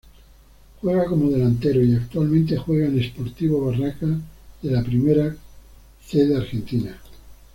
Juega como delantero y actualmente juega en Sportivo Barracas dela Primera C de Argentina.